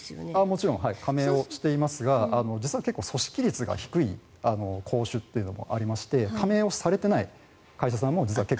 もちろん加盟をしていますが実は結構組織率が低い工種というのもありまして加盟されていない会社さんも実は結構。